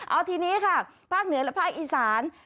เอาทีนี้ค่ะภาคเหนือและภาคอีสาน